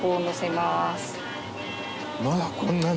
まだこんなに。